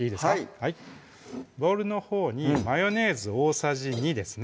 はいボウルのほうにマヨネーズ大さじ２ですね